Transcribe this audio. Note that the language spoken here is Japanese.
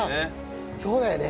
そうだよね。